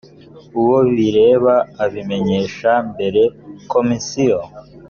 uwo bireba abimenyesha mbere komisiyo